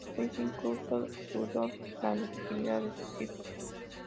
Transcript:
Luis incluso dudó la legitimidad de sus hijos.